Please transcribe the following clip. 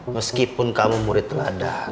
meskipun kamu murid teladan